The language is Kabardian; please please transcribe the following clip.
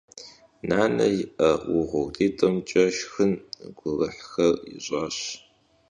Нанэ и Ӏэ угъурлитӀымкӀэ шхын гурыхьхэр ищӀащ.